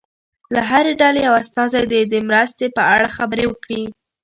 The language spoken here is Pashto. له هرې ډلې یو استازی دې د مرستې په اړه خبرې وکړي.